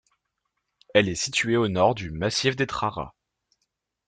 Elle est située au nord du massif des Trara.